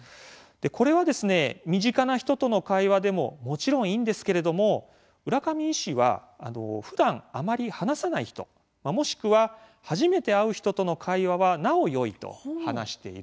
これはですね身近な人との会話でももちろんいいんですけれども浦上医師はふだんあまり話さない人もしくは初めて会う人との会話はなおよいと話しているんですね。